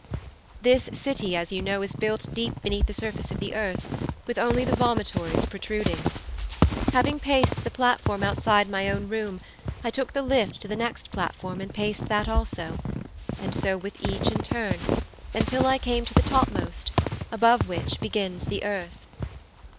'This city, as you know, is built deep beneath the surface of the earth, with only the vomitories protruding. Having paced the platform outside my own room, I took the lift to the next platform and paced that also, and so with each in turn, until I came to the topmost, above which begins the earth.